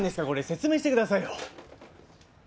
説明してくださいよ！